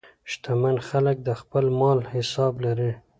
شتمن خلک د خپل مال حساب لري.